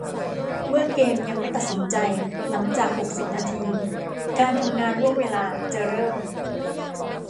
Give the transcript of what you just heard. เมื่อเกมยังไม่ตัดสินใจหลังจากหกสิบนาทีการทำงานล่วงเวลาจะเริ่ม